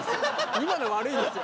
今の悪いですよ。